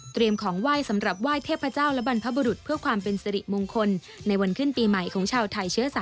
เตรียมของไว้สำหรับไหว้เทพเจ้าและบรรพบท